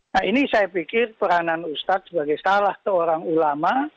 nah ini saya pikir peranan ustadz sebagai salah seorang ulama